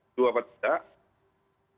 apakah liga dua ini dihentikan